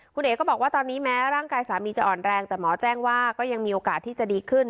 คุณเอ๋ก็บอกว่าตอนนี้แม้ร่างกายสามีจะอ่อนแรงแต่หมอแจ้งว่าก็ยังมีโอกาสที่จะดีขึ้น